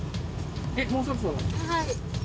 はい。